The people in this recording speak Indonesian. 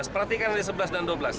perhatikan dari sebelas dan dua belas